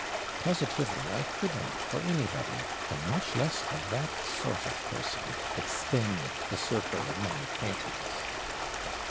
Positively, I could not for anybody and much less for that sort of person extend the circle of my acquaintance.'